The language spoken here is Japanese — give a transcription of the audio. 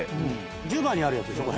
十番にあるやつでしょ